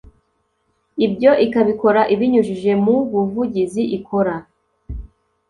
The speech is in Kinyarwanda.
ibyo ikabikora ibinyujije mu buvugizi ikora